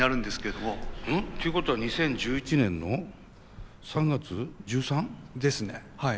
うん？ということは２０１１年の３月１３？ですねはい。